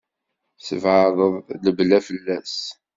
Tesbeɛdeḍ lebla fell-as.